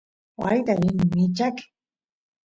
waayta rini michaqy